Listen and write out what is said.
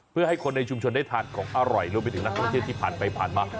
เพื่อให้คนในชุมชนได้ทานของอร่อยรวมไปถึงนักท่องเที่ยวที่ผ่านไปผ่านมา